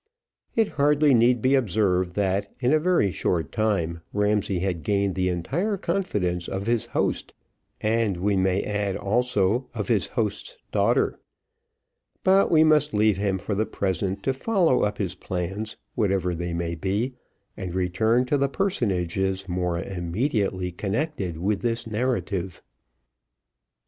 It hardly need be observed, that, in a very short time, Ramsay had gained the entire confidence of his host, and we may add also, of his host's daughter; but we must leave him for the present to follow up his plans, whatever they may be, and return to the personages more immediately connected with this narrative.